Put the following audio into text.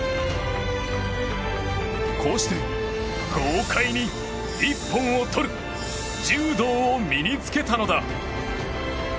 こうして豪快に一本を取る柔道を身に着けたのだ。